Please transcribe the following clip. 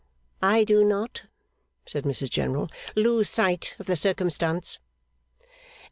'I do not,' said Mrs General, 'lose sight of the circumstance.